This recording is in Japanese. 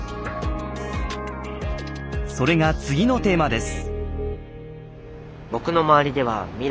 それが次のテーマです。